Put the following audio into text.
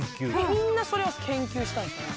みんなそれを研究したんですかね？